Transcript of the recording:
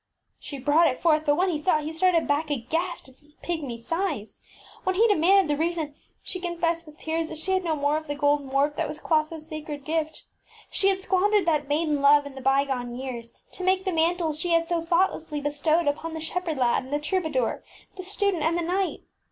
ŌĆÖ She brought it forth, but when he saw it he started back aghast at its pigmy size. When he de manded the reason, she confessed with tears that she had no more of the golden warp that was ClothoŌĆÖs sacred gift. She *3 Iht Hfim Mlrabet# had squandered that maiden love in the by gone years to make the mantles she had so thoughtlessly bestowed upon the shepherd lad and the troubadour, the student and the knight.